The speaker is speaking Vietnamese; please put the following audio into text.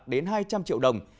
đến hai trăm linh triệu đồng